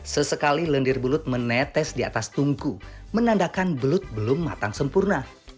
sesekali lendir belut menetes di atas tungku menandakan belut belum matang sempurna